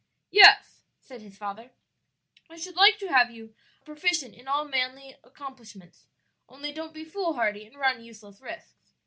"Yes," said his father; "I should like to have you a proficient in all manly accomplishments, only don't be foolhardy and run useless risks.